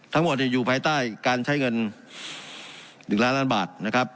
ทั้งหมดอยู่ภายใต้การใช้เงิน๑ล้านล้านบาทนะครับ